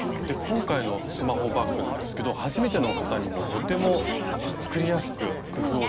今回のスマホバッグなんですけど初めての方にもとても作りやすく工夫をして下さったんですよね。